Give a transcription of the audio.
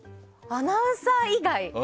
アナウンサー以外。